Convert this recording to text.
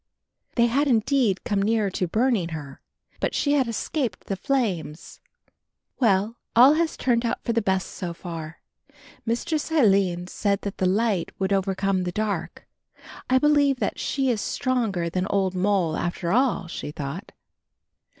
They had indeed come near to burning her, but she had escaped the flames. "Well, all has turned out for the best so far. Mistress Aline said that the light would overcome the dark. I believe she is stronger than old Moll, after all," she thought.